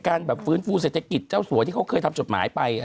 การแบบฟื้นฟูเศรษฐกิจเจ้าสัวที่เขาเคยทำจดหมายไป